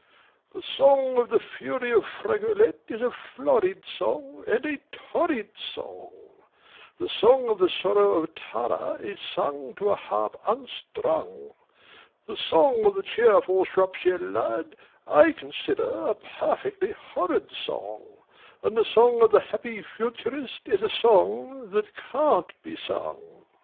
The song of the fury of Fragolette is a florid song and a torrid song, The song of the sorrow of Tara is sung to a harp unstrung, The song of the cheerful Shropshire Lad I consider a perfectly horrid song, And the song of the happy Futurist is a song that can't be sung.